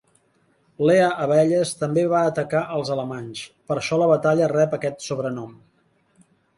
Lea abelles també van atacar els alemanys; per això la batalla rep aquest sobrenom.